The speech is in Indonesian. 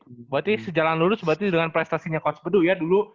berarti sejalan lulus berarti dengan prestasinya coach bedu ya dulu